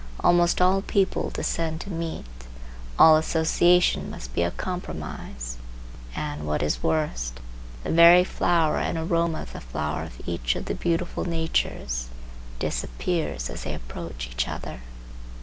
Almost all people descend to meet. All association must be a compromise, and, what is worst, the very flower and aroma of the flower of each of the beautiful natures disappears as they approach each other.